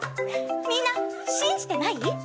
みんな信じてない？